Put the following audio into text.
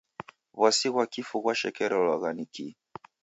W'asi ghwa kifu ghwashekerelwagha ni kii?